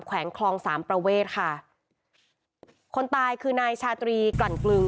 แขวงคลองสามประเวทค่ะคนตายคือนายชาตรีกลั่นกลึง